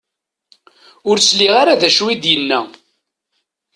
Ur sliɣ ara d acu i d-yenna.